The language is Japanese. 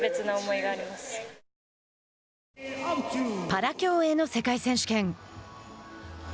パラ競泳の世界選手権。